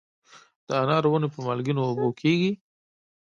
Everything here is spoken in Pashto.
د انارو ونې په مالګینو اوبو کیږي؟